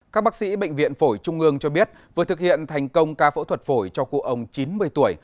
các bác sĩ bệnh viện phổi trung ương cho biết vừa thực hiện thành công ca phẫu thuật phổi cho cụ ông chín mươi tuổi